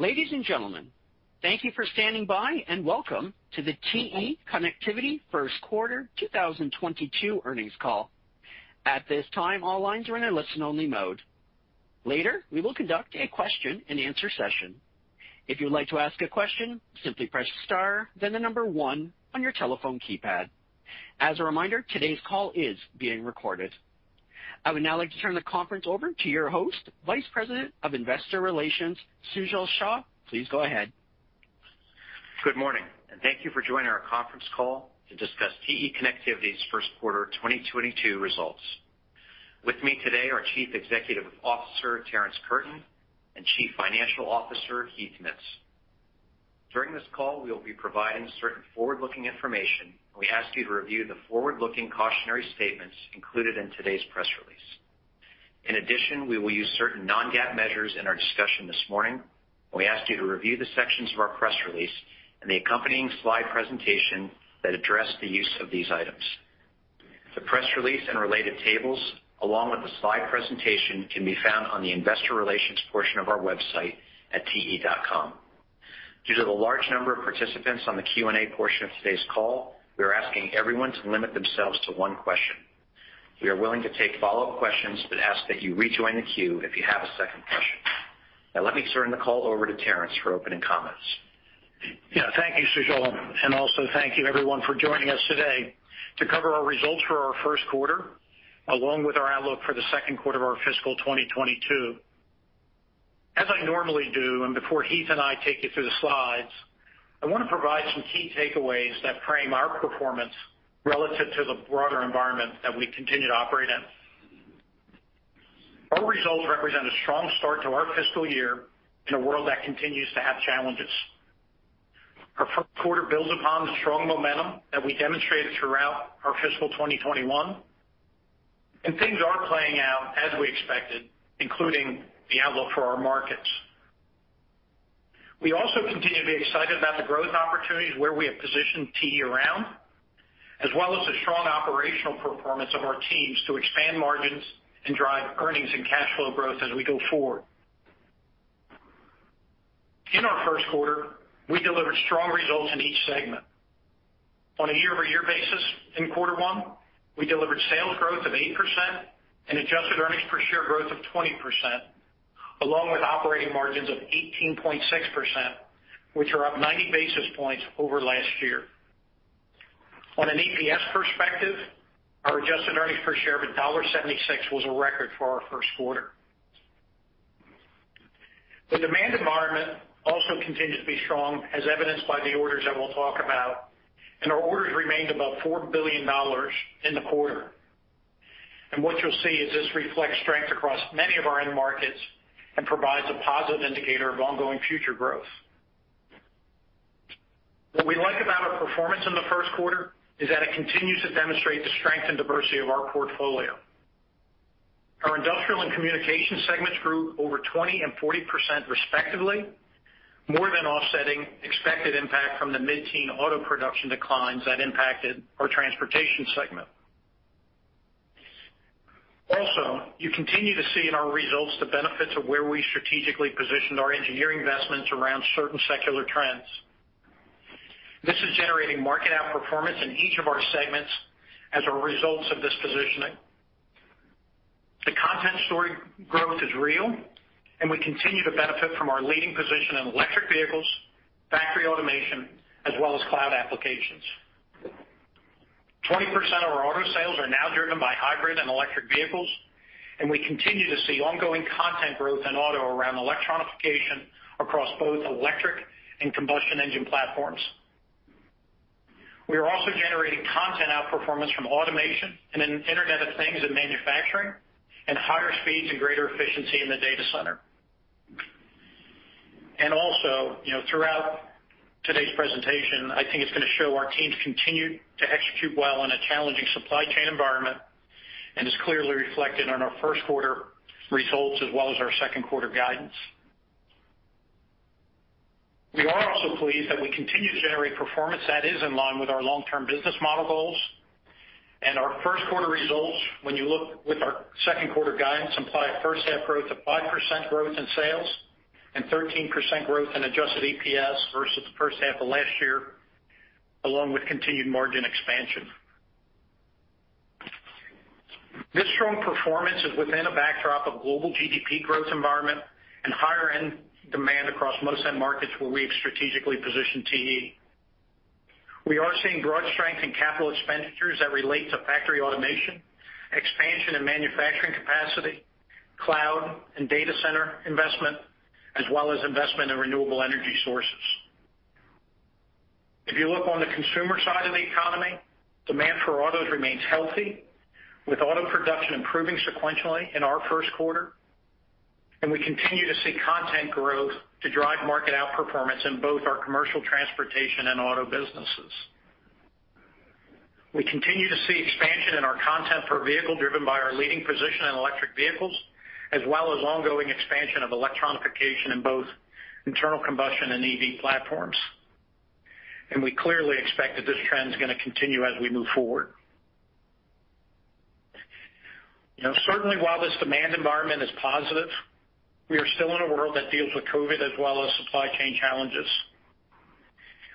Ladies and gentlemen, thank you for standing by, and welcome to the TE Connectivity First Quarter 2022 Earnings Call. At this time, all lines are in a listen-only mode. Later, we will conduct a question-and-answer session. If you would like to ask a question, simply press star then the number one on your telephone keypad. As a reminder, today's call is being recorded. I would now like to turn the conference over to your host, Vice President of Investor Relations, Sujal Shah. Please go ahead. Good morning, and thank you for joining our conference call to discuss TE Connectivity's first quarter 2022 results. With me today are Chief Executive Officer Terrence Curtin and Chief Financial Officer Heath Mitts. During this call, we will be providing certain forward-looking information, and we ask you to review the forward-looking cautionary statements included in today's press release. In addition, we will use certain non-GAAP measures in our discussion this morning, and we ask you to review the sections of our press release and the accompanying slide presentation that address the use of these items. The press release and related tables, along with the slide presentation, can be found on the investor relations portion of our website at te.com. Due to the large number of participants on the Q&A portion of today's call, we are asking everyone to limit themselves to one question. We are willing to take follow-up questions, but ask that you rejoin the queue if you have a second question. Now let me turn the call over to Terrence for opening comments. Yeah. Thank you, Sujal. Also thank you everyone for joining us today to cover our results for our first quarter, along with our outlook for the second quarter of our fiscal 2022. As I normally do, and before Heath and I take you through the slides, I wanna provide some key takeaways that frame our performance relative to the broader environment that we continue to operate in. Our results represent a strong start to our fiscal year in a world that continues to have challenges. Our first quarter builds upon the strong momentum that we demonstrated throughout our fiscal 2021, and things are playing out as we expected, including the outlook for our markets. We also continue to be excited about the growth opportunities where we have positioned TE around, as well as the strong operational performance of our teams to expand margins and drive earnings and cash flow growth as we go forward. In our first quarter, we delivered strong results in each segment. On a year-over-year basis in quarter one, we delivered sales growth of 8% and adjusted earnings per share growth of 20%, along with operating margins of 18.6%, which are up 90 basis points over last year. On an EPS perspective, our adjusted earnings per share of $1.76 was a record for our first quarter. The demand environment also continued to be strong, as evidenced by the orders that we'll talk about, and our orders remained above $4 billion in the quarter. What you'll see is this reflects strength across many of our end markets and provides a positive indicator of ongoing future growth. What we like about our performance in the first quarter is that it continues to demonstrate the strength and diversity of our portfolio. Our Industrial and Communications segments grew over 20% and 40% respectively, more than offsetting expected impact from the mid-teens auto production declines that impacted our Transportation segment. Also, you continue to see in our results the benefits of where we strategically positioned our engineering investments around certain secular trends. This is generating market outperformance in each of our segments as a result of this positioning. The content story growth is real, and we continue to benefit from our leading position in electric vehicles, factory automation, as well as cloud applications. 20% of our auto sales are now driven by hybrid and electric vehicles, and we continue to see ongoing content growth in auto around electronification across both electric and combustion engine platforms. We are also generating content outperformance from automation and in Internet of Things in manufacturing and higher speeds and greater efficiency in the data center. You know, throughout today's presentation, I think it's gonna show our teams continued to execute well in a challenging supply chain environment and is clearly reflected on our first quarter results as well as our second quarter guidance. We are also pleased that we continue to generate performance that is in line with our long-term business model goals. Our first quarter results, when you look with our second quarter guidance, imply a first half growth of 5% in sales and 13% growth in adjusted EPS versus the first half of last year, along with continued margin expansion. This strong performance is within a backdrop of global GDP growth environment and higher-end demand across most end markets where we have strategically positioned TE. We are seeing broad strength in capital expenditures that relate to factory automation, expansion in manufacturing capacity, cloud and data center investment, as well as investment in renewable energy sources. If you look on the consumer side of the economy, demand for autos remains healthy, with auto production improving sequentially in our first quarter, and we continue to see content growth to drive market outperformance in both our commercial transportation and auto businesses. We continue to see expansion in our content per vehicle driven by our leading position in electric vehicles, as well as ongoing expansion of electronification in both internal combustion and EV platforms. We clearly expect that this trend is gonna continue as we move forward. You know, certainly while this demand environment is positive, we are still in a world that deals with COVID as well as supply chain challenges.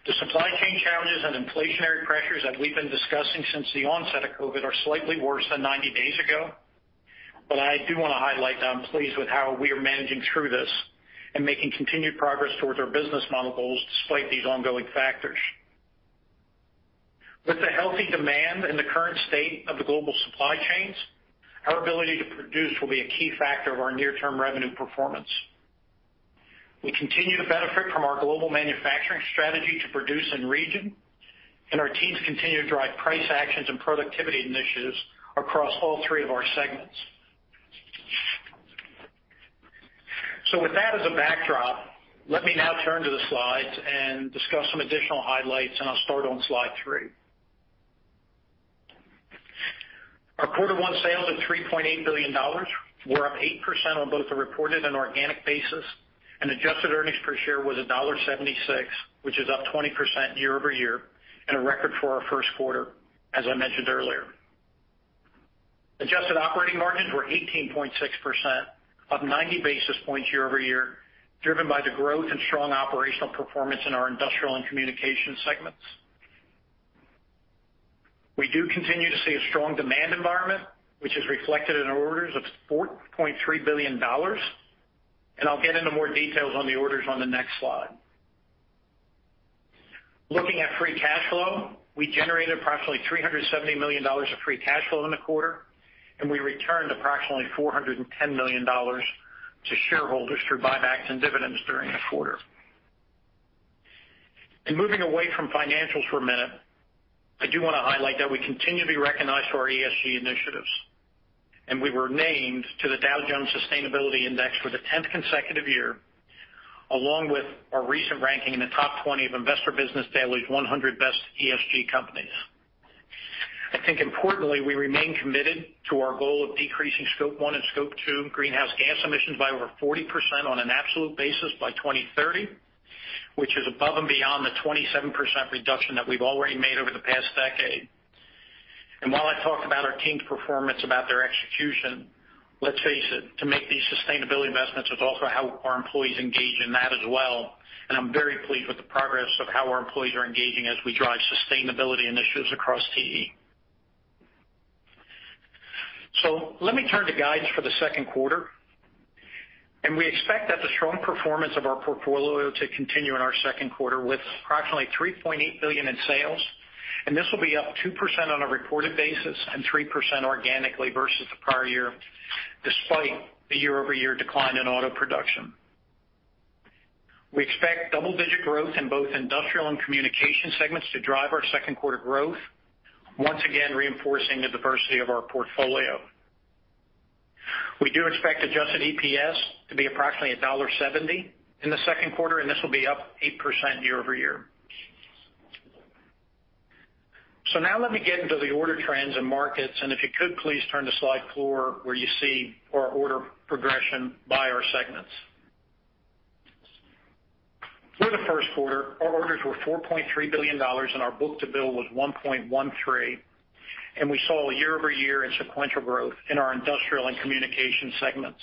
The supply chain challenges and inflationary pressures that we've been discussing since the onset of COVID are slightly worse than 90 days ago. I do wanna highlight that I'm pleased with how we are managing through this and making continued progress towards our business model goals despite these ongoing factors. With the healthy demand in the current state of the global supply chains, our ability to produce will be a key factor of our near-term revenue performance. We continue to benefit from our global manufacturing strategy to produce in region, and our teams continue to drive price actions and productivity initiatives across all three of our segments. With that as a backdrop, let me now turn to the slides and discuss some additional highlights, and I'll start on slide three. Our quarter one sales of $3.8 billion were up 8% on both a reported and organic basis, and adjusted earnings per share was $1.76, which is up 20% year-over-year and a record for our first quarter, as I mentioned earlier. Adjusted operating margins were 18.6%, up 90 basis points year-over-year, driven by the growth and strong operational performance in our industrial and communications segments. We do continue to see a strong demand environment, which is reflected in our orders of $4.3 billion, and I'll get into more details on the orders on the next slide. Looking at free cash flow, we generated approximately $370 million of free cash flow in the quarter, and we returned approximately $410 million to shareholders through buybacks and dividends during the quarter. Moving away from financials for a minute, I do wanna highlight that we continue to be recognized for our ESG initiatives, and we were named to the Dow Jones Sustainability Index for the 10th consecutive year, along with our recent ranking in the top 20 of Investor's Business Daily's 100 best ESG companies. I think importantly, we remain committed to our goal of decreasing Scope 1 and Scope 2 greenhouse gas emissions by over 40% on an absolute basis by 2030, which is above and beyond the 27% reduction that we've already made over the past decade. While I talk about our team's performance, about their execution, let's face it, to make these sustainability investments is also how our employees engage in that as well, and I'm very pleased with the progress of how our employees are engaging as we drive sustainability initiatives across TE. Let me turn to guidance for the second quarter, and we expect that the strong performance of our portfolio to continue in our second quarter with approximately $3.8 billion in sales, and this will be up 2% on a reported basis and 3% organically versus the prior year, despite the year-over-year decline in auto production. We expect double-digit growth in both industrial and communication segments to drive our second quarter growth, once again reinforcing the diversity of our portfolio. We do expect adjusted EPS to be approximately $1.70 in the second quarter, and this will be up 8% year-over-year. Now let me get into the order trends and markets, and if you could please turn to slide four, where you see our order progression by our segments. For the first quarter, our orders were $4.3 billion, and our book-to-bill was 1.13, and we saw year-over-year and sequential growth in our Industrial and Communications segments.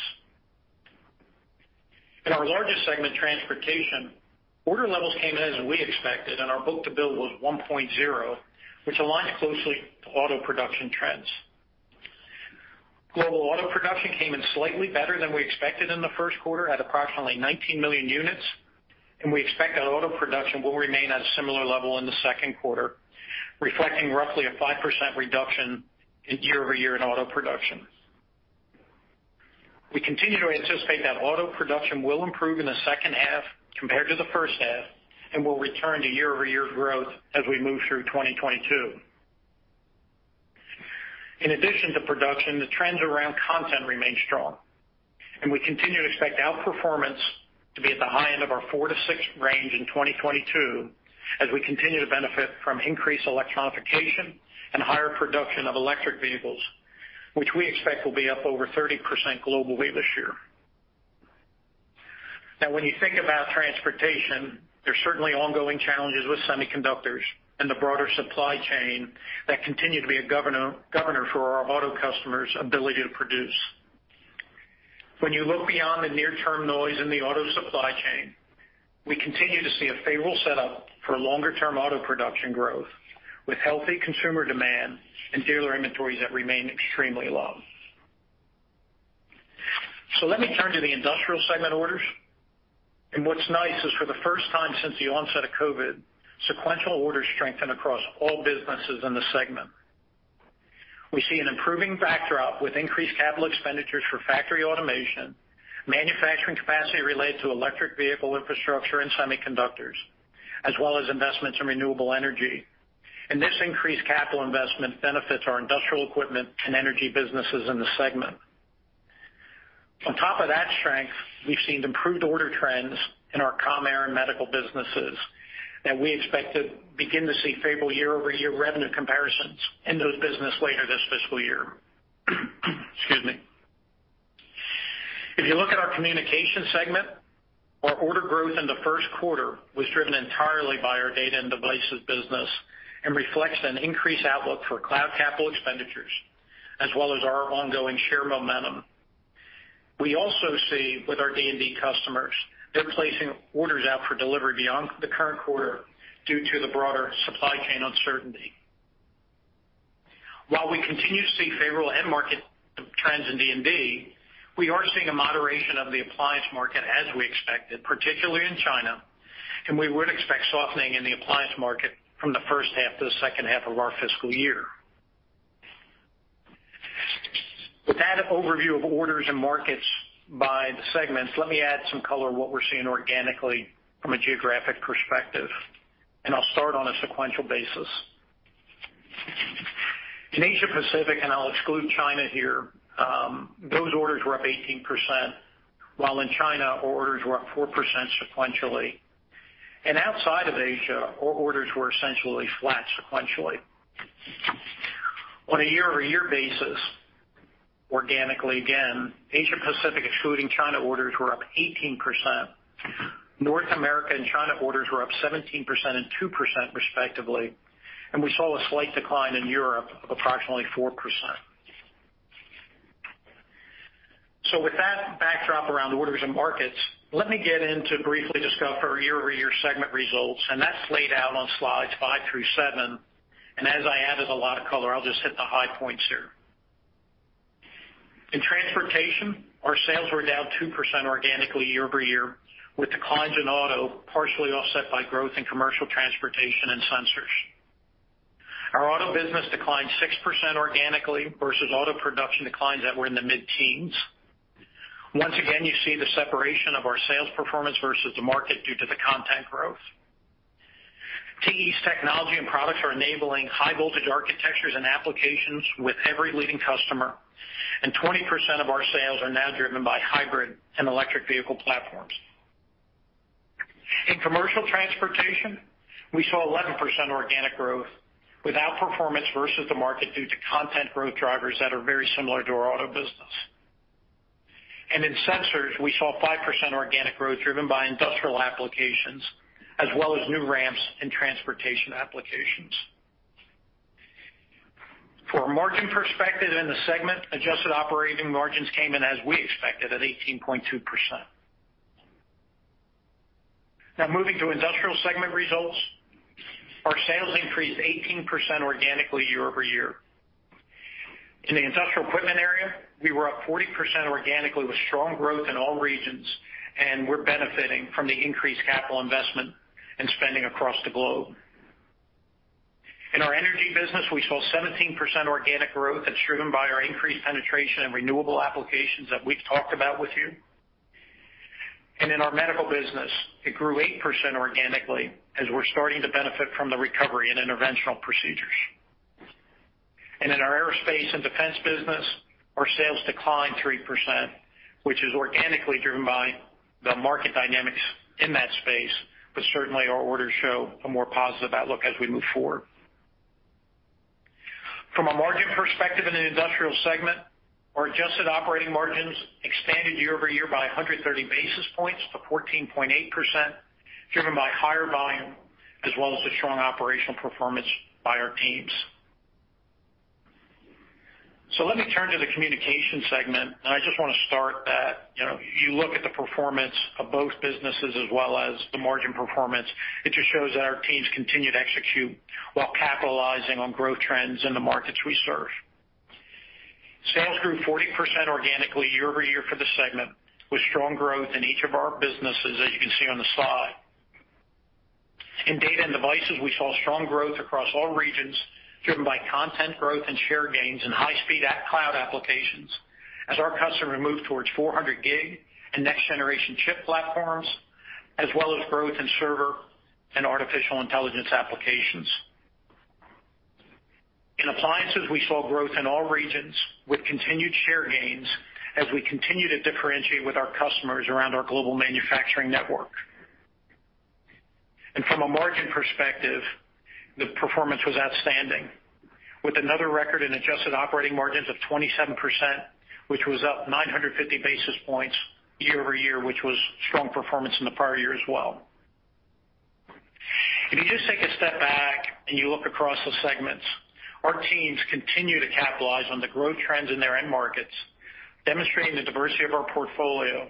In our largest segment, Transportation, order levels came in as we expected, and our book-to-bill was 1.0, which aligns closely to auto production trends. Global auto production came in slightly better than we expected in the first quarter at approximately 19 million units, and we expect that auto production will remain at a similar level in the second quarter, reflecting roughly a 5% reduction year-over-year in auto production. We continue to anticipate that auto production will improve in the second half compared to the first half and will return to year-over-year growth as we move through 2022. In addition to production, the trends around content remain strong, and we continue to expect outperformance to be at the high end of our four to six range in 2022 as we continue to benefit from increased electronification and higher production of electric vehicles, which we expect will be up over 30% globally this year. Now when you think about transportation, there's certainly ongoing challenges with semiconductors and the broader supply chain that continue to be a governor for our auto customers' ability to produce. When you look beyond the near-term noise in the auto supply chain, we continue to see a favorable setup for longer-term auto production growth with healthy consumer demand and dealer inventories that remain extremely low. Let me turn to the Industrial segment orders. What's nice is for the first time since the onset of COVID, sequential orders strengthened across all businesses in the segment. We see an improving backdrop with increased capital expenditures for factory automation, manufacturing capacity related to electric vehicle infrastructure and semiconductors, as well as investments in renewable energy. This increased capital investment benefits our industrial equipment and energy businesses in the segment. On top of that strength, we've seen improved order trends in our Commercial Aerospace and medical businesses, and we expect to begin to see favorable year-over-year revenue comparisons in those business later this fiscal year. Excuse me. If you look at our communication segment, our order growth in the first quarter was driven entirely by our data and devices business and reflects an increased outlook for cloud capital expenditures, as well as our ongoing share momentum. We also see with our D&D customers, they're placing orders out for delivery beyond the current quarter due to the broader supply chain uncertainty. While we continue to see favorable end market trends in D&D, we are seeing a moderation of the appliance market as we expected, particularly in China, and we would expect softening in the appliance market from the first half to the second half of our fiscal year. With that overview of orders and markets by the segments, let me add some color on what we're seeing organically from a geographic perspective, and I'll start on a sequential basis. In Asia-Pacific, and I'll exclude China here, those orders were up 18%, while in China, our orders were up 4% sequentially. Outside of Asia, our orders were essentially flat sequentially. On a year-over-year basis, organically again, Asia-Pacific, excluding China orders, were up 18%. North America and China orders were up 17% and 2% respectively, and we saw a slight decline in Europe of approximately 4%. With that backdrop around orders and markets, let me get into briefly discuss our year-over-year segment results, and that's laid out on slides five through seven. As I added a lot of color, I'll just hit the high points here. In transportation, our sales were down 2% organically year-over-year, with declines in auto partially offset by growth in commercial transportation and sensors. Our auto business declined 6% organically versus auto production declines that were in the mid-teens. Once again, you see the separation of our sales performance versus the market due to the content growth. TE's technology and products are enabling high voltage architectures and applications with every leading customer, and 20% of our sales are now driven by hybrid and electric vehicle platforms. In commercial transportation, we saw 11% organic growth with outperformance versus the market due to content growth drivers that are very similar to our auto business. In sensors, we saw 5% organic growth driven by industrial applications as well as new ramps in transportation applications. For a margin perspective in the segment, adjusted operating margins came in as we expected at 18.2%. Now, moving to Industrial segment results. Our sales increased 18% organically year-over-year. In the industrial equipment area, we were up 40% organically with strong growth in all regions, and we're benefiting from the increased capital investment and spending across the globe. In our energy business, we saw 17% organic growth that's driven by our increased penetration in renewable applications that we've talked about with you. In our medical business, it grew 8% organically as we're starting to benefit from the recovery in interventional procedures. In our aerospace and defense business, our sales declined 3%, which is organically driven by the market dynamics in that space, but certainly our orders show a more positive outlook as we move forward. From a margin perspective in an Industrial segment, our adjusted operating margins expanded year-over-year by 130 basis points to 14.8%, driven by higher volume as well as the strong operational performance by our teams. Let me turn to the Communications segment. I just wanna start that, you know, you look at the performance of both businesses as well as the margin performance, it just shows that our teams continue to execute while capitalizing on growth trends in the markets we serve. Sales grew 40% organically year-over-year for the segment, with strong growth in each of our businesses, as you can see on the slide. In Data and Devices, we saw strong growth across all regions driven by content growth and share gains in high-speed at cloud applications as our customer moved towards 400 gig and next-generation chip platforms, as well as growth in server and artificial intelligence applications. In Appliances, we saw growth in all regions with continued share gains as we continue to differentiate with our customers around our global manufacturing network. From a margin perspective, the performance was outstanding. With another record in adjusted operating margins of 27%, which was up 950 basis points year-over-year, which was strong performance in the prior year as well. If you just take a step back and you look across the segments, our teams continue to capitalize on the growth trends in their end markets, demonstrating the diversity of our portfolio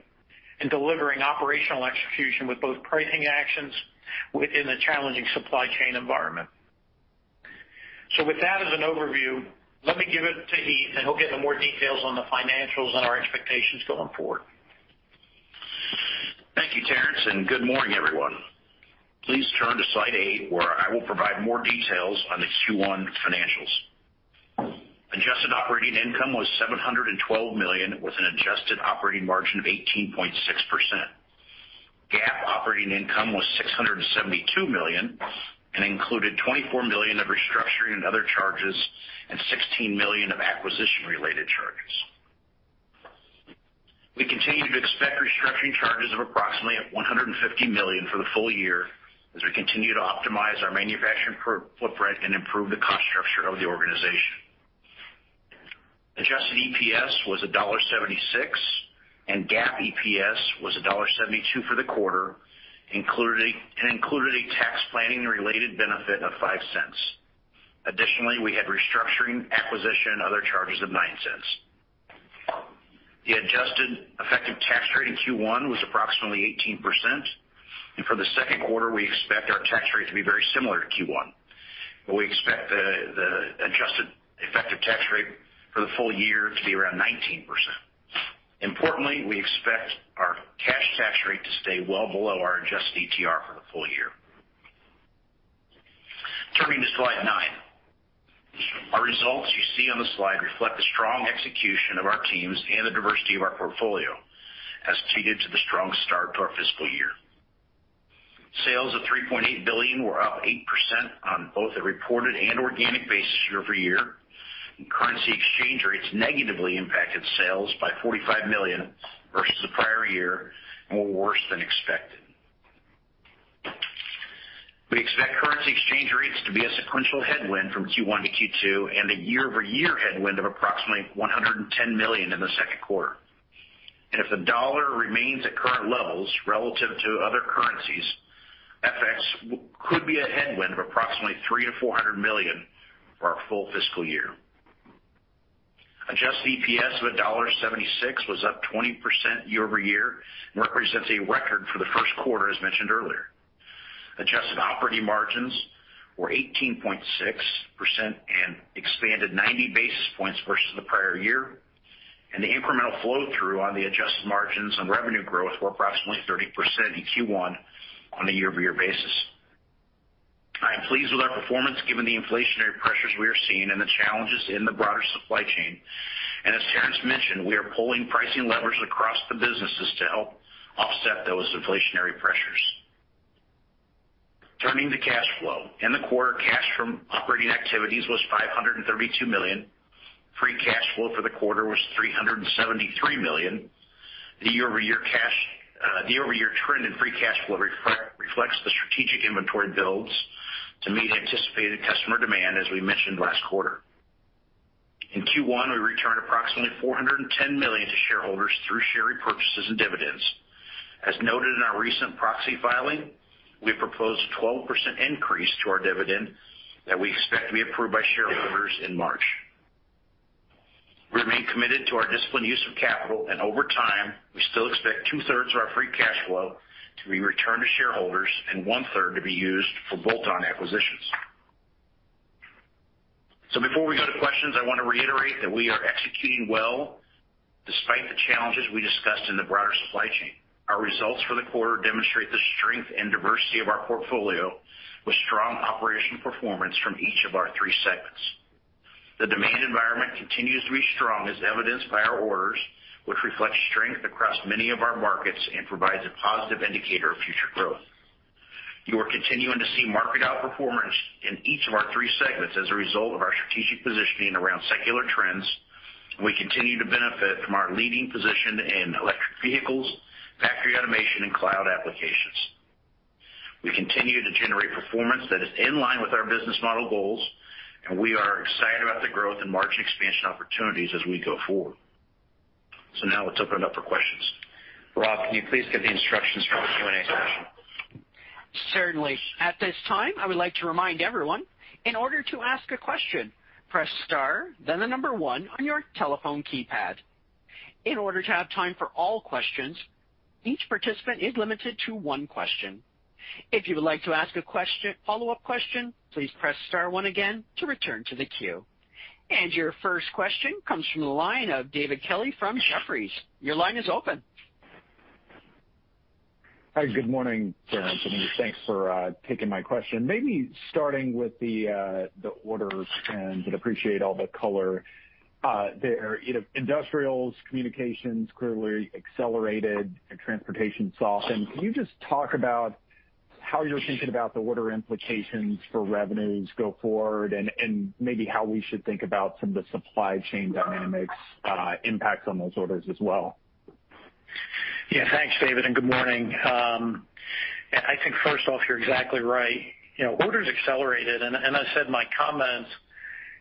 and delivering operational execution with both pricing actions within the challenging supply chain environment. With that as an overview, let me give it to Heath, and he'll get into more details on the financials and our expectations going forward. Thank you, Terrence, and good morning, everyone. Please turn to slide eight, where I will provide more details on the Q1 financials. Adjusted operating income was $712 million, with an adjusted operating margin of 18.6%. GAAP operating income was $672 million and included $24 million of restructuring and other charges, and $16 million of acquisition-related charges. Restructuring charges of approximately $150 million for the full year as we continue to optimize our manufacturing footprint and improve the cost structure of the organization. Adjusted EPS was $1.76, and GAAP EPS was $1.72 for the quarter and included a tax planning related benefit of $0.05. Additionally, we had restructuring, acquisition, other charges of $0.09. The adjusted effective tax rate in Q1 was approximately 18%, and for the second quarter, we expect our tax rate to be very similar to Q1. We expect the adjusted effective tax rate for the full year to be around 19%. Importantly, we expect our cash tax rate to stay well below our adjusted ETR for the full year. Turning to slide nine. Our results you see on the slide reflect the strong execution of our teams and the diversity of our portfolio leading to a strong start to our fiscal year. Sales of $3.8 billion were up 8% on both a reported and organic basis year-over-year, and currency exchange rates negatively impacted sales by $45 million versus the prior year, and were worse than expected. We expect currency exchange rates to be a sequential headwind from Q1 to Q2, and a year-over-year headwind of approximately $110 million in the second quarter. If the dollar remains at current levels relative to other currencies, FX could be a headwind of approximately $300 million-$400 million for our full fiscal year. Adjusted EPS of $1.76 was up 20% year-over-year and represents a record for the first quarter, as mentioned earlier. Adjusted operating margins were 18.6% and expanded 90 basis points versus the prior year, and the incremental flow through on the adjusted margins on revenue growth were approximately 30% in Q1 on a year-over-year basis. I am pleased with our performance given the inflationary pressures we are seeing and the challenges in the broader supply chain. As Terrence mentioned, we are pulling pricing levers across the businesses to help offset those inflationary pressures. Turning to cash flow. In the quarter, cash from operating activities was $532 million. Free cash flow for the quarter was $373 million. The year-over-year trend in free cash flow reflects the strategic inventory builds to meet anticipated customer demand, as we mentioned last quarter. In Q1, we returned approximately $410 million to shareholders through share repurchases and dividends. As noted in our recent proxy filing, we proposed a 12% increase to our dividend that we expect to be approved by shareholders in March. We remain committed to our disciplined use of capital, and over time, we still expect two-thirds of our free cash flow to be returned to shareholders and one-third to be used for bolt-on acquisitions. Before we go to questions, I want to reiterate that we are executing well despite the challenges we discussed in the broader supply chain. Our results for the quarter demonstrate the strength and diversity of our portfolio with strong operational performance from each of our three segments. The demand environment continues to be strong, as evidenced by our orders, which reflect strength across many of our markets and provides a positive indicator of future growth. You are continuing to see market outperformance in each of our three segments as a result of our strategic positioning around secular trends. We continue to benefit from our leading position in electric vehicles, factory automation, and cloud applications. We continue to generate performance that is in line with our business model goals, and we are excited about the growth and margin expansion opportunities as we go forward. Now let's open it up for questions. Rob, can you please give the instructions for the Q&A session? Certainly. At this time, I would like to remind everyone, in order to ask a question, press star, then one on your telephone keypad. In order to have time for all questions, each participant is limited to one question. If you would like to ask a follow-up question, please press star one again to return to the queue. Your first question comes from the line of David Kelley from Jefferies. Your line is open. Hi. Good morning, Terrence, and thanks for taking my question. Maybe starting with the orders, and I'd appreciate all the color there. You know, industrials, communications clearly accelerated and transportation softened. Can you just talk about how you're thinking about the order implications for revenues go forward, and maybe how we should think about some of the supply chain dynamics impacts on those orders as well? Yeah. Thanks, David, and good morning. I think first off, you're exactly right. You know, orders accelerated, and I said in my comments,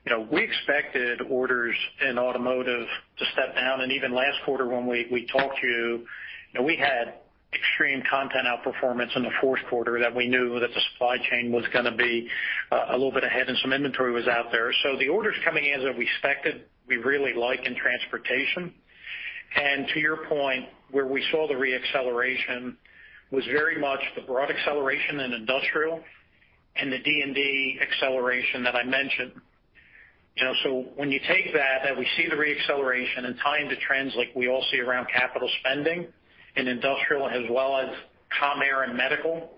you know, we expected orders in automotive to step down. Even last quarter when we talked to you know, we had extreme content outperformance in the fourth quarter that we knew that the supply chain was gonna be a little bit ahead and some inventory was out there. So the orders coming in as we expected, we really like in transportation. To your point, where we saw the re-acceleration was very much the broad acceleration in industrial and the D&D acceleration that I mentioned. You know, when you take that that we see the re-acceleration and tie into trends like we all see around capital spending in Industrial as well as Commercial Aerospace and Medical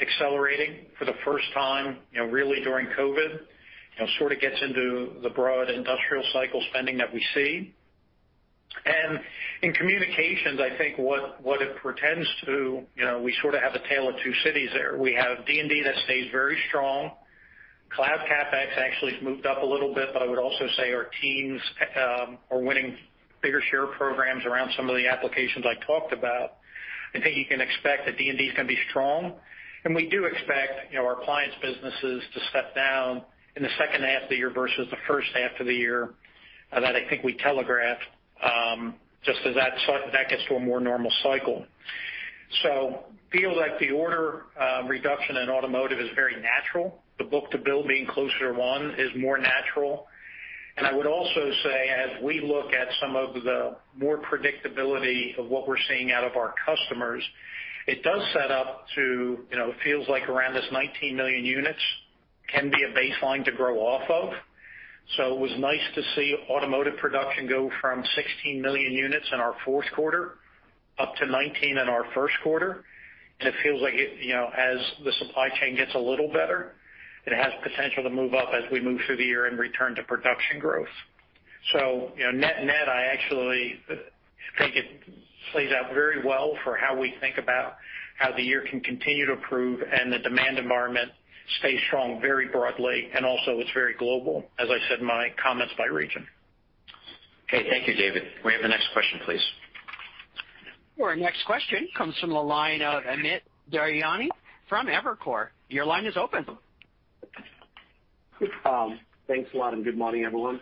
accelerating for the first time, you know, really during COVID, you know, sort of gets into the broad Industrial cycle spending that we see. In Communications, I think what it portends to, you know, we sort of have a tale of two cities there. We have D&D that stays very strong. Cloud CapEx actually has moved up a little bit, but I would also say our teams are winning bigger share programs around some of the applications I talked about. I think you can expect that D&D is gonna be strong, and we do expect, you know, our clients' businesses to step down in the second half of the year versus the first half of the year that I think we telegraphed just as that gets to a more normal cycle. I feel like the order reduction in automotive is very natural. The book-to-bill being closer to one is more natural. I would also say as we look at some of the more predictability of what we're seeing out of our customers, it does set up to, you know, feels like around this 19 million units can be a baseline to grow off of. It was nice to see automotive production go from 16 million units in our fourth quarter up to 19 in our first quarter. It feels like it, you know, as the supply chain gets a little better, it has potential to move up as we move through the year and return to production growth. Net-net, I actually think it plays out very well for how we think about how the year can continue to improve and the demand environment stays strong very broadly, and also it's very global, as I said in my comments by region. Okay. Thank you, David. May we have the next question, please? Our next question comes from the line of Amit Daryanani from Evercore ISI. Your line is open. Thanks a lot, and good morning, everyone.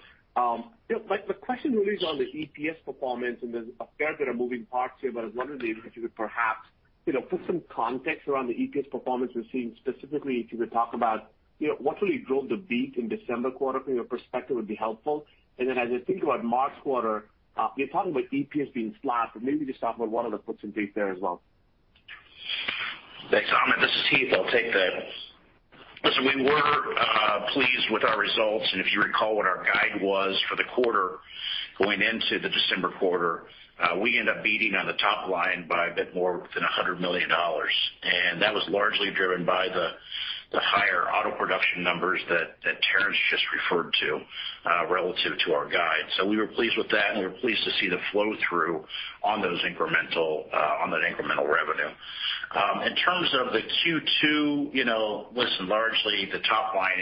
You know, the question really is on the EPS performance, and there's a fair bit of moving parts here, but I was wondering if you could perhaps, you know, put some context around the EPS performance we're seeing. Specifically, if you could talk about, you know, what really drove the beat in December quarter from your perspective would be helpful. Then as I think about March quarter, you're talking about EPS being flat, but maybe just talk about what are the puts and takes there as well. Thanks, Amit. This is Heath. I'll take that. Listen, we were pleased with our results. If you recall what our guide was for the quarter going into the December quarter, we end up beating on the top line by a bit more than $100 million. That was largely driven by the higher auto production numbers that Terrence just referred to relative to our guide. We were pleased with that, and we were pleased to see the flow-through on that incremental revenue. In terms of the Q2, you know, listen, largely the top line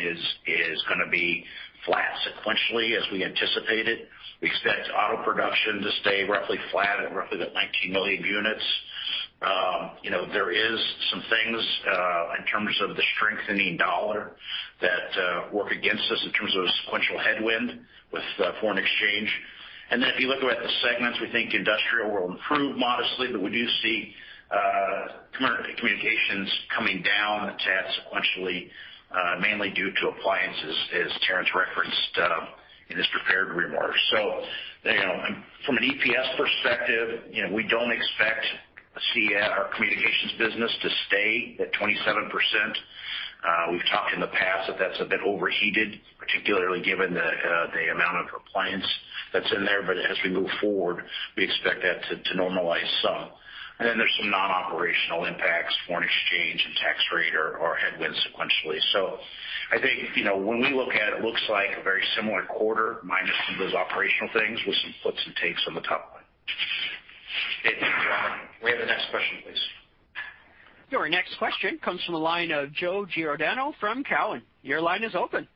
is gonna be flat sequentially as we anticipated. We expect auto production to stay roughly flat at roughly the 19 million units. You know, there is some things in terms of the strengthening dollar that work against us in terms of sequential headwind with foreign exchange. Then if you look at the segments, we think industrial will improve modestly, but we do see communications coming down a tad sequentially, mainly due to appliances, as Terrence referenced in his prepared remarks. You know, from an EPS perspective, you know, we don't expect to see our communications business to stay at 27%. We've talked in the past that that's a bit overheated, particularly given the amount of compliance that's in there. But as we move forward, we expect that to normalize some. Then there's some non-operational impacts, foreign exchange and tax rate are headwinds sequentially. I think, you know, when we look at it looks like a very similar quarter minus some of those operational things with some puts and takes on the top line. Okay. Thank you, Heath. May we have the next question, please? Your next question comes from the line of Joe Giordano from Cowen. Your line is open.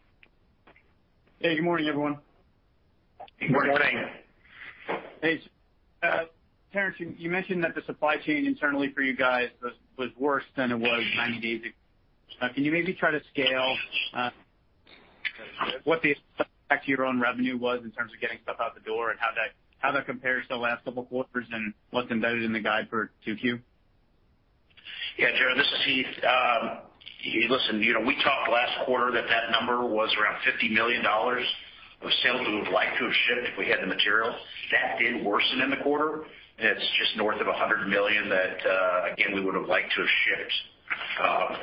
Hey, good morning, everyone. Good morning. Thanks. Terrence, you mentioned that the supply chain internally for you guys was worse than it was 90 days ago. Can you maybe try to scale what the impact to your own revenue was in terms of getting stuff out the door and how that compares to the last couple quarters and what's embedded in the guide for 2Q? Yeah, Joe, this is Heath. Listen, you know, we talked last quarter that that number was around $50 million of sales we would've liked to have shipped if we had the material. That did worsen in the quarter, and it's just north of $100 million that, again, we would've liked to have shipped,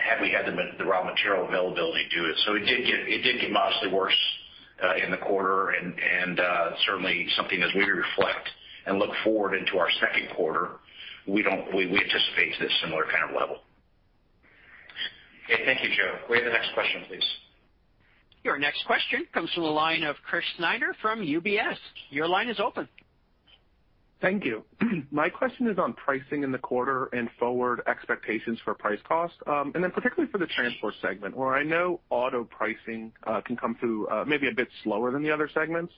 had we had the raw material availability to do it. It did get modestly worse in the quarter and certainly something as we reflect and look forward into our second quarter, we anticipate this similar kind of level. Okay. Thank you, Joe. May we have the next question, please? Your next question comes from the line of Chris Snyder from UBS. Your line is open. Thank you. My question is on pricing in the quarter and forward expectations for price cost, and then particularly for the transport segment, where I know auto pricing can come through, maybe a bit slower than the other segments.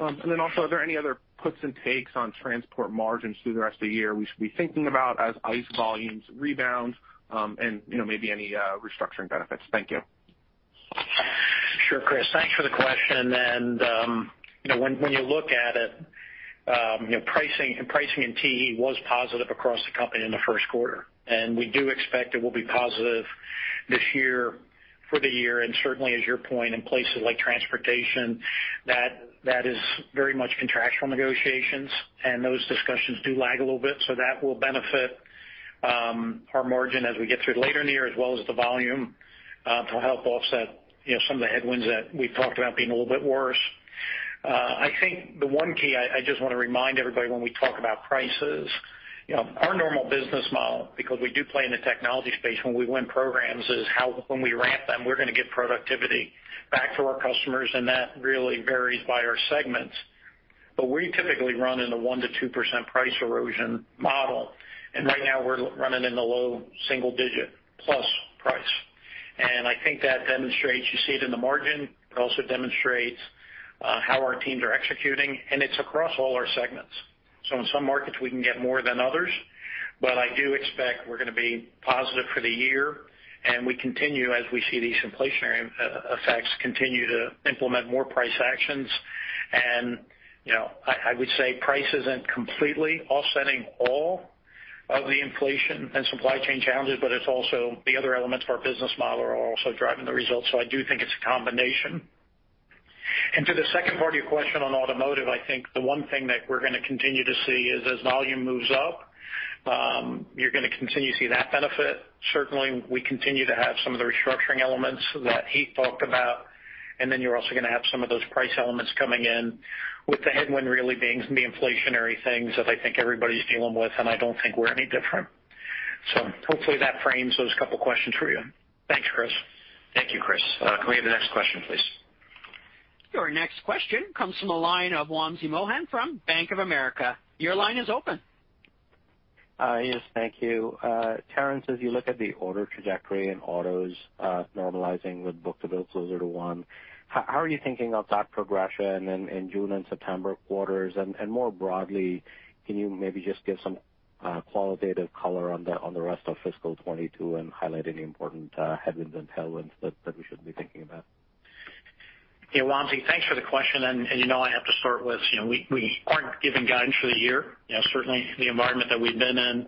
Also, are there any other puts and takes on transport margins through the rest of the year we should be thinking about as ICE volumes rebound, and you know, maybe any restructuring benefits? Thank you. Sure, Chris, thanks for the question. You know, when you look at it, you know, pricing in TE was positive across the company in the first quarter, and we do expect it will be positive this year for the year. Certainly, as your point in places like transportation, that is very much contractual negotiations, and those discussions do lag a little bit. That will benefit our margin as we get through later in the year, as well as the volume to help offset you know, some of the headwinds that we've talked about being a little bit worse. I think the one key I just wanna remind everybody when we talk about prices, you know, our normal business model, because we do play in the technology space when we win programs, is how when we ramp them, we're gonna get productivity back to our customers, and that really varies by our segments. We typically run in the 1%-2% price erosion model. Right now we're running in the low single-digit plus price. I think that demonstrates you see it in the margin. It also demonstrates how our teams are executing, and it's across all our segments. In some markets, we can get more than others, but I do expect we're gonna be positive for the year, and we continue as we see these inflationary effects continue to implement more price actions. You know, I would say price isn't completely offsetting all of the inflation and supply chain challenges, but it's also the other elements of our business model are also driving the results. I do think it's a combination. To the second part of your question on automotive, I think the one thing that we're gonna continue to see is as volume moves up, you're gonna continue to see that benefit. Certainly, we continue to have some of the restructuring elements that Heath talked about, and then you're also gonna have some of those price elements coming in with the headwind really being the inflationary things that I think everybody's dealing with, and I don't think we're any different. Hopefully that frames those couple questions for you. Thanks, Chris. Thank you, Chris. Can we have the next question, please? Your next question comes from the line of Wamsi Mohan from Bank of America. Your line is open. Yes. Thank you, Terrence, as you look at the order trajectory in autos, normalizing with book-to-bill closer to 1, how are you thinking of that progression in June and September quarters? More broadly, can you maybe just give some qualitative color on the rest of fiscal 2022 and highlight any important headwinds and tailwinds that we should be thinking about? Yeah, Wamsi, thanks for the question. You know, I have to start with, you know, we aren't giving guidance for the year, you know, certainly the environment that we've been in.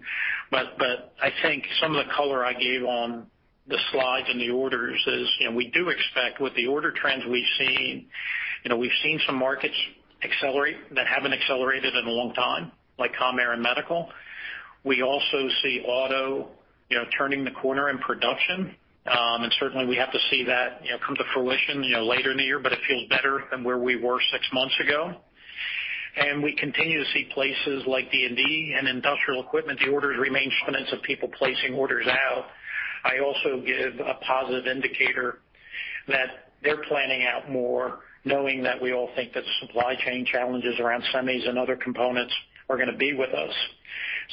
I think some of the color I gave on the slides and the orders is, you know, we do expect with the order trends we've seen, you know, we've seen some markets accelerate that haven't accelerated in a long time, like com, air, and medical. We also see auto, you know, turning the corner in production. Certainly, we have to see that, you know, come to fruition, you know, later in the year, but it feels better than where we were six months ago. We continue to see places like D&D and industrial equipment, the orders remain of people placing orders out. I also give a positive indicator that they're planning out more knowing that we all think that supply chain challenges around semis and other components are gonna be with us.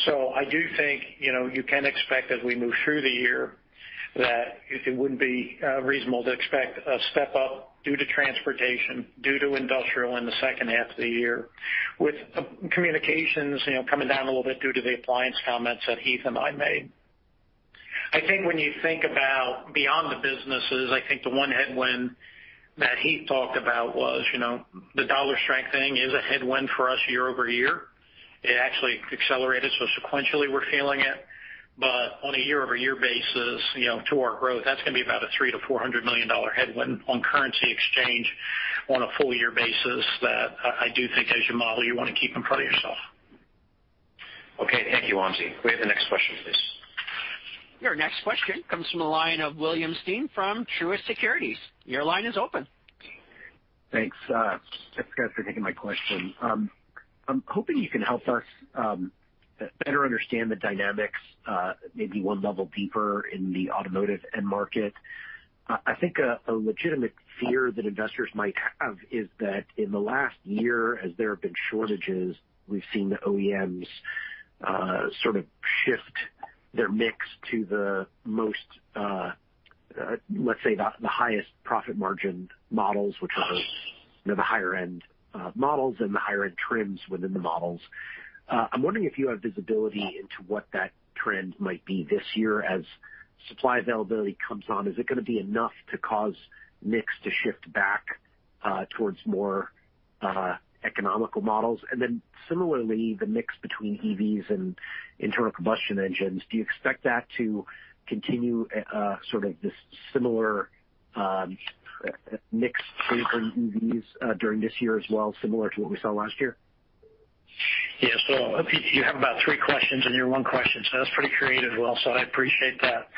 I do think, you know, you can expect as we move through the year that it wouldn't be reasonable to expect a step up due to transportation, due to industrial in the second half of the year with communications, you know, coming down a little bit due to the appliance comments that Heath and I made. I think when you think about beyond the businesses, I think the one headwind that Heath talked about was, you know, the US dollar strengthening is a headwind for us year over year. It actually accelerated, so sequentially we're feeling it. On a year-over-year basis, you know, to our growth, that's gonna be about a $300 million-$400 million headwind on currency exchange on a full year basis that I do think as you model, you wanna keep in front of yourself. Okay. Thank you, Wamsi. Can we have the next question, please? Your next question comes from the line of William Stein from Truist Securities. Your line is open. Thanks, guys, for taking my question. I'm hoping you can help us better understand the dynamics, maybe one level deeper in the automotive end market. I think a legitimate fear that investors might have is that in the last year, as there have been shortages, we've seen the OEMs sort of shift their mix to the most, let's say the highest profit margin models, which are the, you know, the higher end models and the higher end trims within the models. I'm wondering if you have visibility into what that trend might be this year as supply availability comes on. Is it gonna be enough to cause mix to shift back towards more economical models? Similarly, the mix between EVs and internal combustion engines, do you expect that to continue, sort of this similar mix between EVs during this year as well, similar to what we saw last year? Yeah. You have about three questions in your one question, so that's pretty creative, Will, so I appreciate that.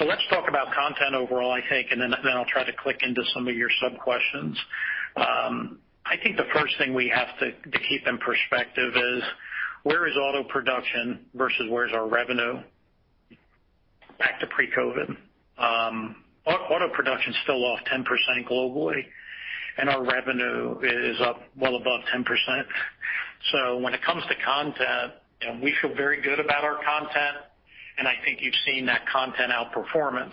Let's talk about content overall, I think, and then I'll try to click into some of your sub-questions. I think the first thing we have to keep in perspective is where is auto production versus where's our revenue back to pre-COVID? Auto production's still off 10% globally, and our revenue is up well above 10%. When it comes to content, and we feel very good about our content, and I think you've seen that content outperformance.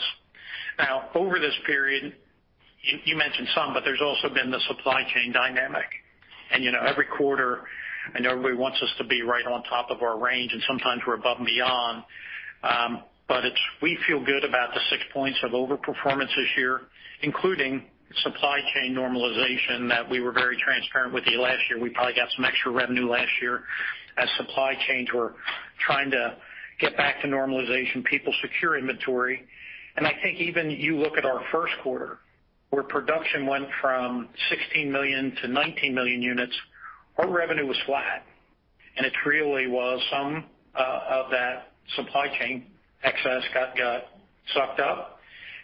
Now, over this period, you mentioned some, but there's also been the supply chain dynamic. You know, every quarter, I know everybody wants us to be right on top of our range, and sometimes we're above and beyond. We feel good about the six points of overperformance this year, including supply chain normalization that we were very transparent with you last year. We probably got some extra revenue last year as supply chains were trying to get back to normalization, people secure inventory. I think even if you look at our first quarter, where production went from 16 million-19 million units, our revenue was flat, and it really was some of that supply chain excess got sucked up.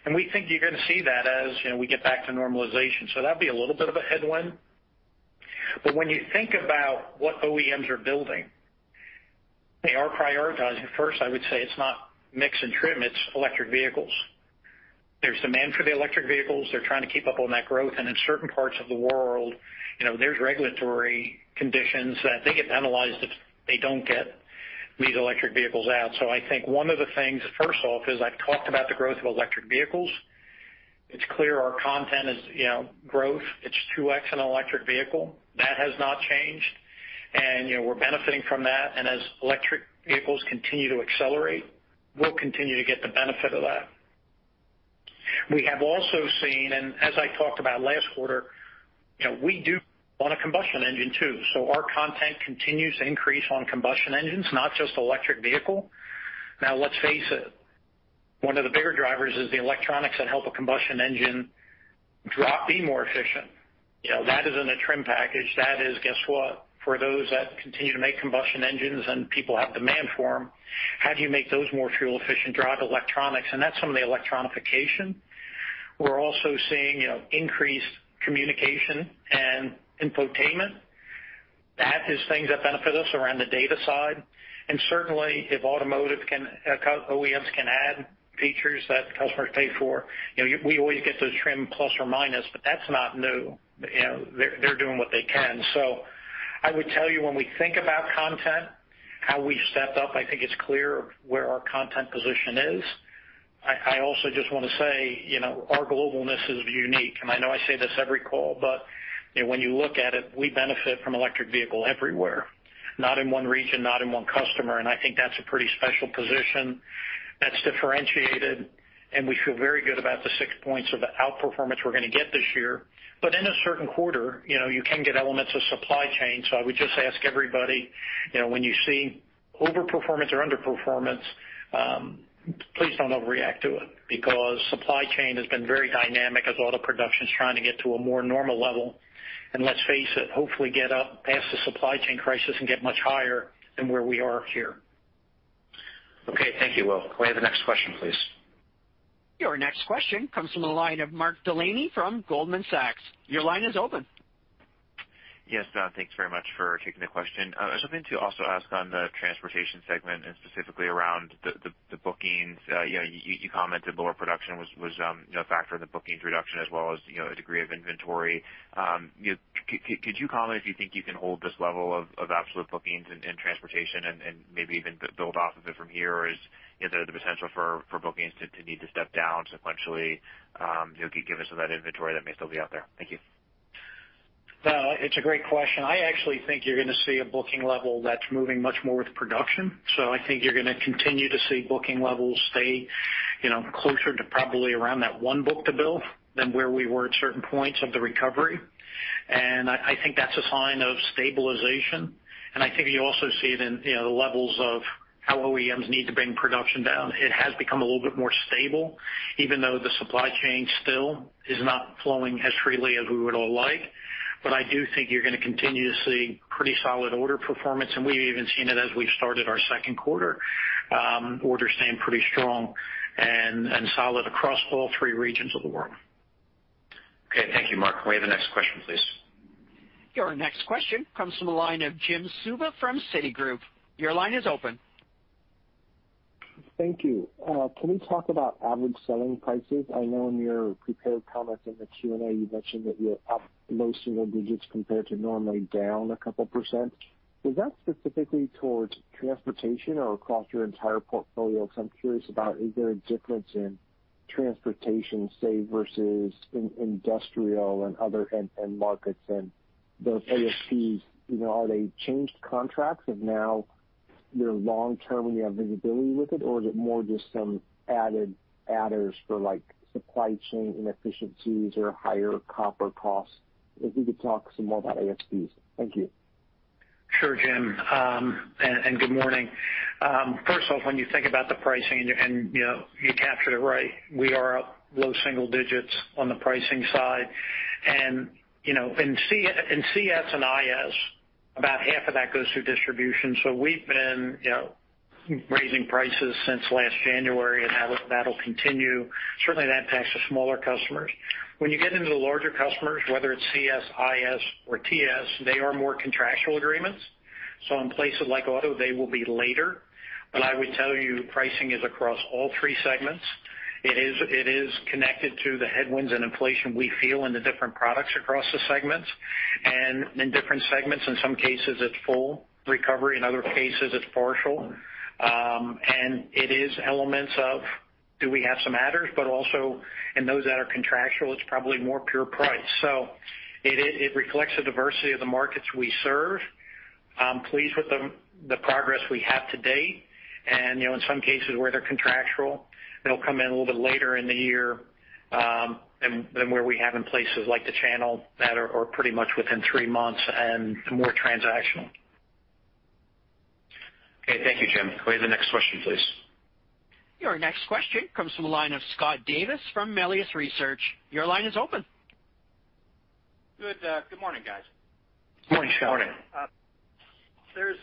We think you're gonna see that as we get back to normalization. That'd be a little bit of a headwind. When you think about what OEMs are building, they are prioritizing. First, I would say it's not mix and trim, it's electric vehicles. There's demand for the electric vehicles. They're trying to keep up on that growth. In certain parts of the world, you know, there's regulatory conditions that they get penalized if they don't get these electric vehicles out. I think one of the things, first off, is I've talked about the growth of electric vehicles. It's clear our content is, you know, growth. It's 2x on electric vehicle. That has not changed. You know, we're benefiting from that. As electric vehicles continue to accelerate, we'll continue to get the benefit of that. We have also seen, and as I talked about last quarter, you know, we do own a combustion engine too, so our content continues to increase on combustion engines, not just electric vehicle. Now let's face it, one of the bigger drivers is the electronics that help a combustion engine to be more efficient. You know, that is in a trim package. That is, guess what? For those that continue to make combustion engines and people have demand for them, how do you make those more fuel efficient? Drive electronics. That's some of the electrification. We're also seeing, you know, increased communication and infotainment. That is things that benefit us around the data side. Certainly if OEMs can add features that customers pay for, you know, we always get those trim plus or minus, but that's not new. You know, they're doing what they can. I would tell you, when we think about content, how we stepped up, I think it's clear where our content position is. I also just want to say, you know, our globalness is unique, and I know I say this every call, but when you look at it, we benefit from electric vehicle everywhere, not in one region, not in one customer. I think that's a pretty special position that's differentiated. We feel very good about the six points of outperformance we're going to get this year. In a certain quarter, you know, you can get elements of supply chain. I would just ask everybody, you know, when you see overperformance or underperformance, please don't overreact to it because supply chain has been very dynamic as auto production is trying to get to a more normal level. Let's face it, hopefully get up past the supply chain crisis and get much higher than where we are here. Okay, thank you, Will. Can we have the next question, please? Your next question comes from the line of Mark Delaney from Goldman Sachs. Your line is open. Yes, Don, thanks very much for taking the question. Something to also ask on the transportation segment and specifically around the bookings. You know, you commented lower production was a factor in the bookings reduction as well as a degree of inventory. Could you comment if you think you can hold this level of absolute bookings in transportation and maybe even build off of it from here? Or is there the potential for bookings to need to step down sequentially, given some of that inventory that may still be out there? Thank you. No, it's a great question. I actually think you're going to see a booking level that's moving much more with production. I think you're going to continue to see booking levels stay, you know, closer to probably around that one book to build than where we were at certain points of the recovery. I think that's a sign of stabilization. I think you also see it in, you know, the levels of how OEMs need to bring production down. It has become a little bit more stable, even though the supply chain still is not flowing as freely as we would all like. I do think you're going to continue to see pretty solid order performance. We've even seen it as we've started our second quarter, orders staying pretty strong and solid across all three regions of the world. Okay, thank you, Mark. Can we have the next question, please? Your next question comes from the line of Jim Suva from Citigroup. Your line is open. Thank you. Can we talk about average selling prices? I know in your prepared comments in the Q&A, you mentioned that you're up low single digits compared to normally down 2%. Is that specifically towards transportation or across your entire portfolio? Because I'm curious about is there a difference in transportation, say versus industrial and other end markets and those ASPs, you know, are they changed? Contracts are now long term and you have visibility with it? Or is it more just some added adders for like supply chain inefficiencies or higher copper costs? If you could talk some more about ASPs. Thank you. Sure, Jim, good morning. First off, when you think about the pricing and you know, you captured it right, we are up low single digits on the pricing side. You know, in CS and IS, about half of that goes through distribution. We've been, you know, raising prices since last January, and that'll continue. Certainly that impacts the smaller customers. When you get into the larger customers, whether it's CS, IS or TS, they are more contractual agreements. In places like auto, they will be later. But I would tell you pricing is across all three segments. It is connected to the headwinds and inflation we feel in the different products across the segments. In different segments, in some cases it's full recovery, in other cases it's partial. It is elements of do we have some adders, but also in those that are contractual, it's probably more pure price. It reflects the diversity of the markets we serve. I'm pleased with the progress we have to date. You know, in some cases where they're contractual, they'll come in a little bit later in the year than where we have in places like the channel that are pretty much within three months and more transactional. Okay, thank you, Jim. Can we have the next question, please? Your next question comes from the line of Scott Davis from Melius Research. Your line is open. Good morning, guys. Morning, Scott. Morning. There's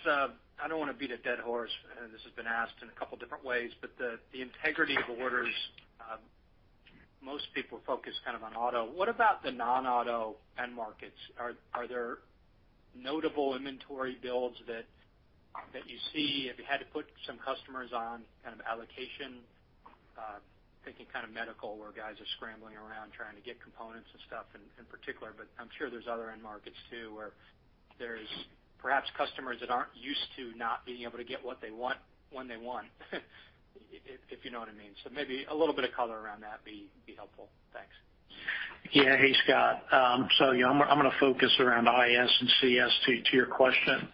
I don't want to beat a dead horse. This has been asked in a couple different ways, but the integrity of orders. Most people focus kind of on auto. What about the non-auto end markets? Are there notable inventory builds that you see? Have you had to put some customers on kind of allocation? Thinking kind of medical, where guys are scrambling around trying to get components and stuff in particular, but I'm sure there's other end markets too, where there's perhaps customers that aren't used to not being able to get what they want when they want, if you know what I mean. So maybe a little bit of color around that'd be helpful. Thanks. Hey, Scott. I'm gonna focus around IS and CS to your question.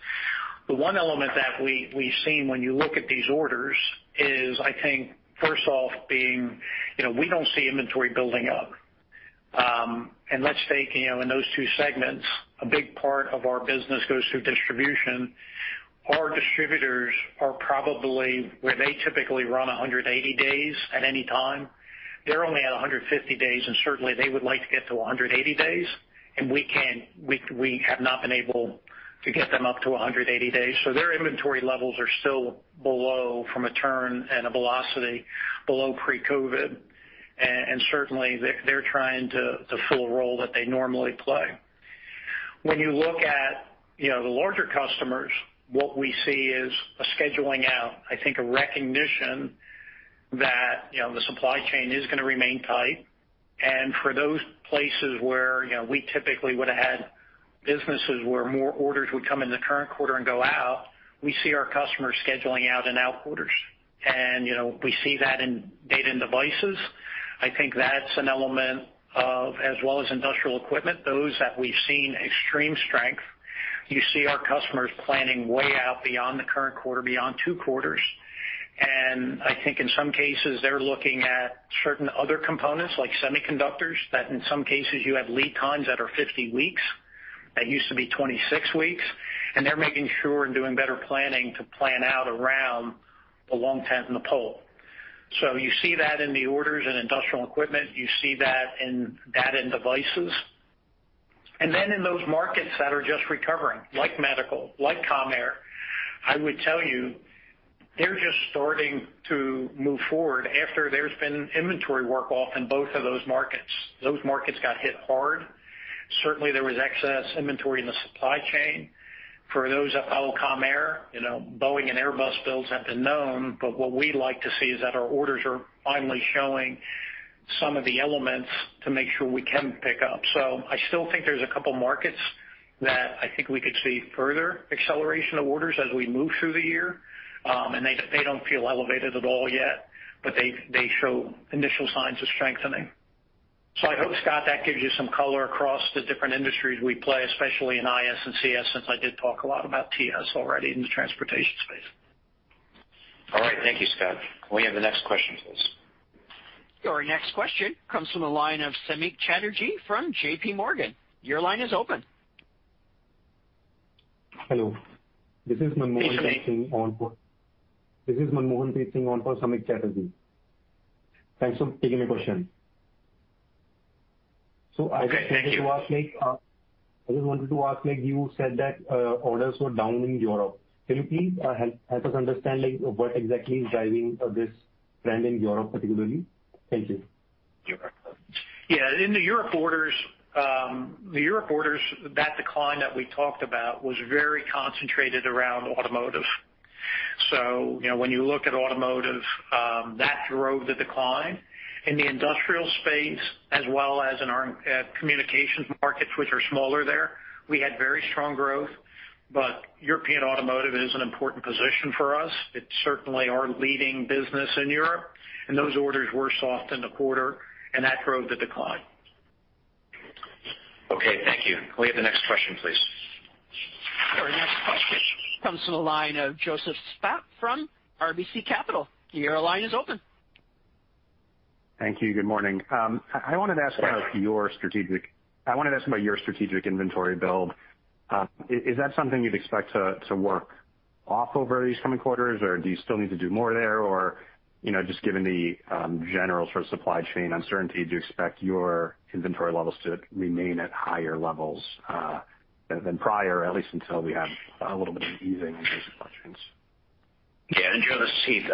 The one element that we've seen when you look at these orders is, I think, first off, we don't see inventory building up. Let's take, in those two segments, a big part of our business goes through distribution. Our distributors are probably where they typically run 180 days at any time. They're only at 150 days, and certainly they would like to get to 180 days, and we can't. We have not been able to get them up to 180 days. Their inventory levels are still below from a turn and a velocity below pre-COVID. Certainly they're trying to fill a role that they normally play. When you look at, you know, the larger customers, what we see is a scheduling out. I think a recognition that, you know, the supply chain is gonna remain tight. For those places where, you know, we typically would've had businesses where more orders would come in the current quarter and go out, we see our customers scheduling out into outer quarters. You know, we see that in Data and Devices. I think that's an element of as well as industrial equipment, those that we've seen extreme strength. You see our customers planning way out beyond the current quarter, beyond two quarters. I think in some cases, they're looking at certain other components, like semiconductors, that in some cases you have lead times that are 50 weeks, that used to be 26 weeks. They're making sure and doing better planning to plan out around the long lead time and the bottleneck. You see that in the orders in industrial equipment. You see that in data and devices. In those markets that are just recovering, like medical, like Commercial Aerospace, I would tell you, they're just starting to move forward after there's been inventory work off in both of those markets. Those markets got hit hard. Certainly, there was excess inventory in the supply chain. For those that follow Commercial Aerospace, you know, Boeing and Airbus builds have been known, but what we like to see is that our orders are finally showing some of the elements to make sure we can pick up. I still think there's a couple markets that I think we could see further acceleration of orders as we move through the year. They don't feel elevated at all yet, but they show initial signs of strengthening. I hope, Scott, that gives you some color across the different industries we play, especially in IS and CS, since I did talk a lot about TS already in the transportation space. All right. Thank you, Scott. Can we have the next question, please? Our next question comes from the line of Samik Chatterjee from J.P. Morgan. Your line is open. Hello. This is Manmohan speaking on- Hey, Samik. This is Manmohan speaking on for Samik Chatterjee. Thanks for taking my question. Okay. Thank you. I just wanted to ask, like you said, that orders were down in Europe. Can you please help us understand, like, what exactly is driving this trend in Europe particularly? Thank you. In the European orders, that decline that we talked about was very concentrated around automotive. You know, when you look at automotive, that drove the decline. In the industrial space, as well as in our communications markets, which are smaller there, we had very strong growth, but European automotive is an important position for us. It's certainly our leading business in Europe, and those orders were soft in the quarter, and that drove the decline. Okay. Thank you. Can we have the next question, please? Our next question comes from the line of Joseph Spak from RBC Capital. Your line is open. Thank you. Good morning. I wanted to ask about your strategic inventory build. Is that something you'd expect to work off over these coming quarters, or do you still need to do more there? Or, you know, just given the general sort of supply chain uncertainty, do you expect your inventory levels to remain at higher levels than prior, at least until we have a little bit of easing in those constraints? Yeah. Joe, this is Heath.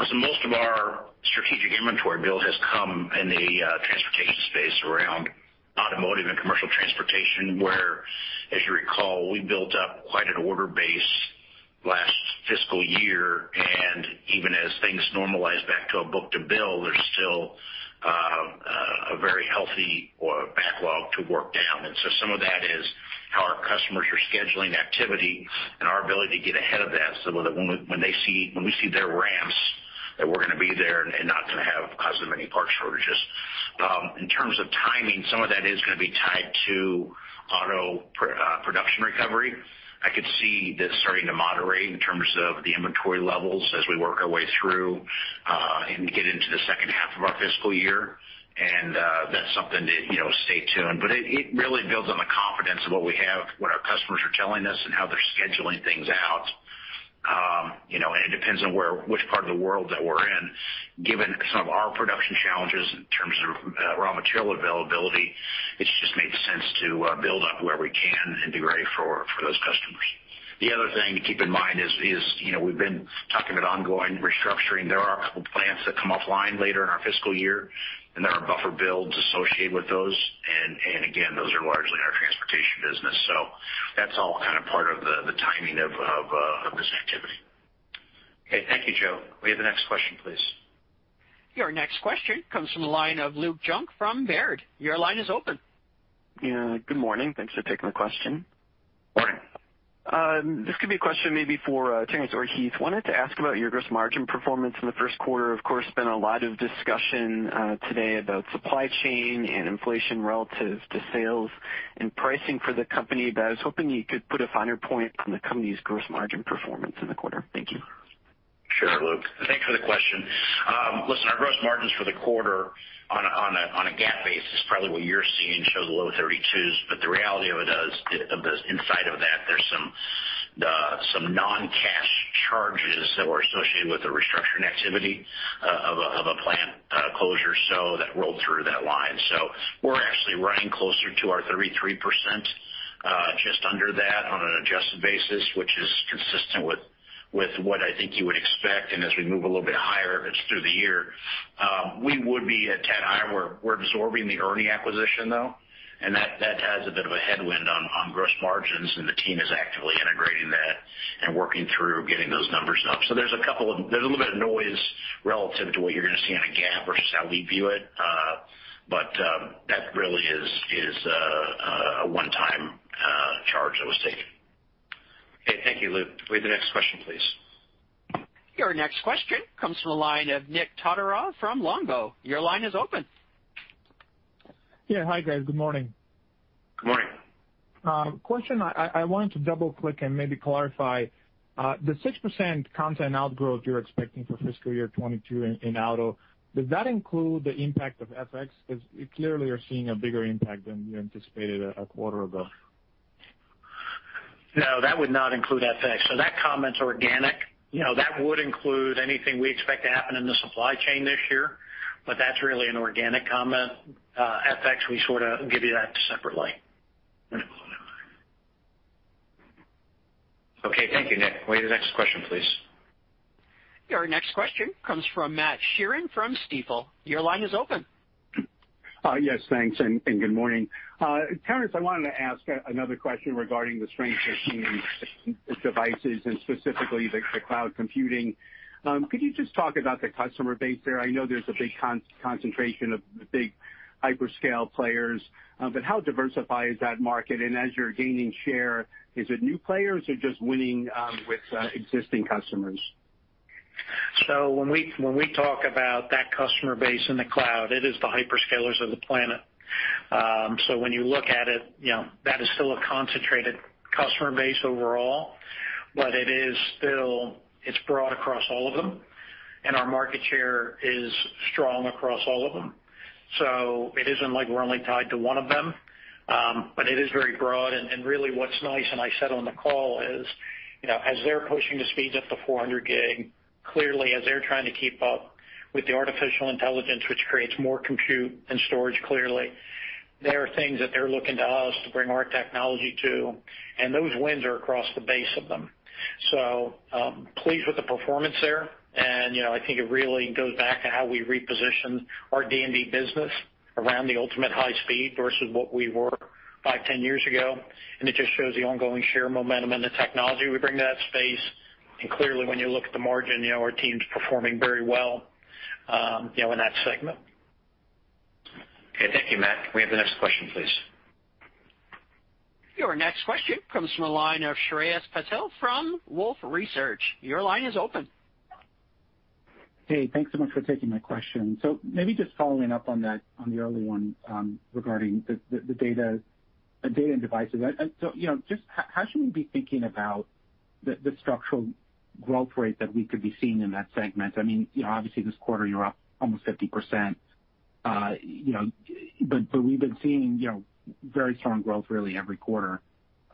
Listen, most of our strategic inventory build has come in the transportation space around automotive and commercial transportation, where, as you recall, we built up quite an order base last fiscal year, and even as things normalize back to a book-to-bill, there's still a very healthy backlog to work down. Some of that is how our customers are scheduling activity and our ability to get ahead of that so that when we see their ramps, that we're gonna be there and not gonna have as many parts shortages. In terms of timing, some of that is gonna be tied to auto production recovery. I could see that starting to moderate in terms of the inventory levels as we work our way through and get into the second half of our fiscal year. That's something to, you know, stay tuned. It really builds on the confidence of what we have, what our customers are telling us, and how they're scheduling things out. You know, it depends on where, which part of the world that we're in. Given some of our production challenges in terms of raw material availability, it just made sense to build up where we can and be ready for those customers. The other thing to keep in mind is, you know, we've been talking about ongoing restructuring. There are a couple of plants that come offline later in our fiscal year, and there are buffer builds associated with those. Again, those are largely our transportation business. That's all kind of part of the timing of this activity. Okay, thank you, Joe. May we have the next question, please? Your next question comes from the line of Luke Junk from Baird. Your line is open. Yeah, good morning. Thanks for taking the question. Morning. This could be a question maybe for Terrence or Heath. I wanted to ask about your gross margin performance in the first quarter. Of course, there's been a lot of discussion today about supply chain and inflation relative to sales and pricing for the company. I was hoping you could put a finer point on the company's gross margin performance in the quarter. Thank you. Sure, Luke. Thanks for the question. Listen, our gross margins for the quarter on a GAAP basis is probably what you're seeing, shows low 30s%. The reality is, inside of that, there's some non-cash charges that were associated with the restructuring activity of a plant closure, so that rolled through that line. We're actually running closer to our 33%, just under that on an adjusted basis, which is consistent with what I think you would expect. As we move a little bit higher through the year, we would be a tad higher. We're absorbing the ERNI acquisition, though, and that has a bit of a headwind on gross margins, and the team is actively integrating that and working through getting those numbers up. There's a little bit of noise relative to what you're gonna see on a GAAP versus how we view it. That really is a one-time charge that was taken. Okay, thank you, Luke. May we have the next question, please. Your next question comes from the line of Nikolay Todorov from Longbow. Your line is open. Yeah. Hi, guys. Good morning. Good morning. Question, I wanted to double-click and maybe clarify the 6% content outgrowth you're expecting for fiscal year 2022 in auto. Does that include the impact of FX? Because clearly you're seeing a bigger impact than you anticipated a quarter ago. No, that would not include FX. That comment's organic. You know, that would include anything we expect to happen in the supply chain this year, but that's really an organic comment. FX, we sort of give you that separately. Okay, thank you, Nick. May we have the next question, please. Your next question comes from Matt Sheerin from Stifel. Your line is open. Yes, thanks, and good morning. Terrence, I wanted to ask another question regarding the strength of devices and specifically the cloud computing. Could you just talk about the customer base there? I know there's a big concentration of the big hyperscale players, but how diversified is that market? As you're gaining share, is it new players or just winning with existing customers? When we talk about that customer base in the cloud, it is the hyperscalers of the planet. When you look at it, you know, that is still a concentrated customer base overall, but it is still broad across all of them, and our market share is strong across all of them. It isn't like we're only tied to one of them, but it is very broad. Really what's nice, and I said on the call is, you know, as they're pushing the speeds up to 400 gig, clearly as they're trying to keep up with the artificial intelligence, which creates more compute and storage clearly, there are things that they're looking to us to bring our technology to, and those wins are across the base of them. Pleased with the performance there. You know, I think it really goes back to how we repositioned our D&D business around the ultimate high speed versus what we were five, 10 years ago. It just shows the ongoing share momentum and the technology we bring to that space. Clearly, when you look at the margin, you know, our team's performing very well, you know, in that segment. Okay, thank you, Matt. May we have the next question, please. Your next question comes from the line of Shreyas Patil from Wolfe Research. Your line is open. Hey, thanks so much for taking my question. Maybe just following up on that, on the earlier one, regarding the data and devices. You know, just how should we be thinking about the structural growth rate that we could be seeing in that segment? I mean, you know, obviously this quarter you're up almost 50%. You know, but we've been seeing, you know, very strong growth really every quarter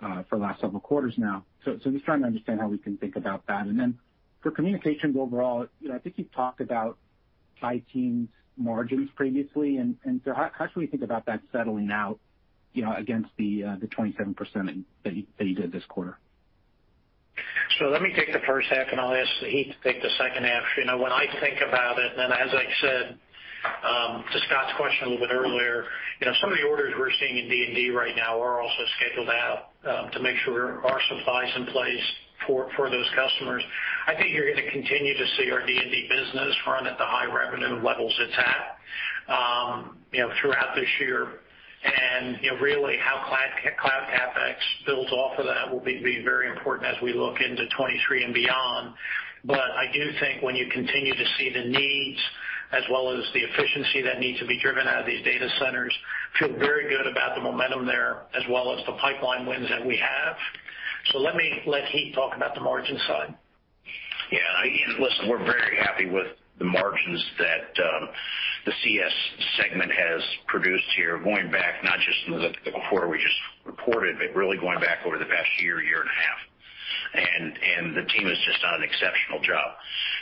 for the last several quarters now. Just trying to understand how we can think about that. Then for communications overall, you know, I think you've talked about high teens margins previously, and so how should we think about that settling out, you know, against the 27% that you did this quarter? Let me take the first half, and I'll ask Heath to take the second half. You know, when I think about it, and as I said, to Scott's question a little bit earlier, you know, some of the orders we're seeing in D&D right now are also scheduled out, to make sure our supply's in place for those customers. I think you're gonna continue to see our D&D business run at the high revenue levels it's at, you know, throughout this year. You know, really how cloud CapEx builds off of that will be very important as we look into 2023 and beyond. I do think when you continue to see the needs as well as the efficiency that needs to be driven out of these data centers. We feel very good about the momentum there as well as the pipeline wins that we have. Let me let Heath talk about the margin side. Yeah. Ian, listen, we're very happy with the margins that the CS segment has produced here going back not just the quarter we just reported, but really going back over the past year and a half. The team has just done an exceptional job.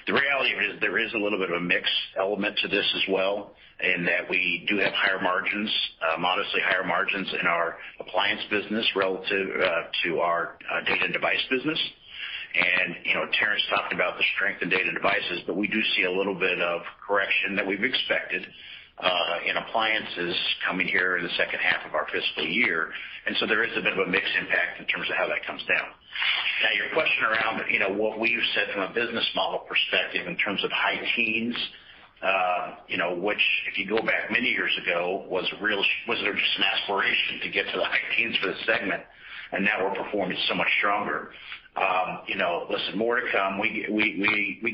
The reality of it is there is a little bit of a mix element to this as well, in that we do have higher margins, modestly higher margins in our Appliance business relative to our Data and Device business. You know, Terrence talked about the strength in Data and Devices, but we do see a little bit of correction that we've expected in Appliances coming here in the second half of our fiscal year. There is a bit of a mix impact in terms of how that comes down. Now, your question around, you know, what we've said from a business model perspective in terms of high teens, you know, which if you go back many years ago, was just an aspiration to get to the high teens for the segment, and now we're performing so much stronger. You know, listen, more to come. We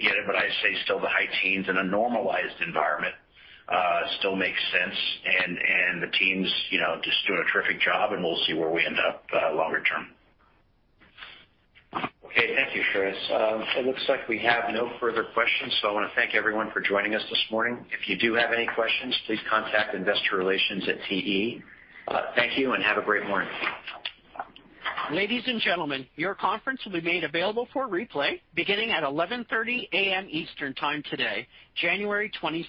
get it, but I say still the high teens in a normalized environment still makes sense. The team's, you know, just doing a terrific job, and we'll see where we end up longer term. Okay. Thank you, Shreyas. It looks like we have no further questions, so I wanna thank everyone for joining us this morning. If you do have any questions, please contact Investor Relations at TE. Thank you, and have a great morning. Ladies and gentlemen, your conference will be made available for replay beginning at 11:30 A.M. Eastern Time today, January 26th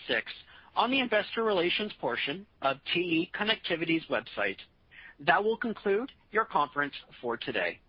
on the investor relations portion of TE Connectivity's website. That will conclude your conference for today.